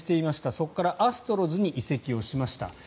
そこからアストロズに移籍しました。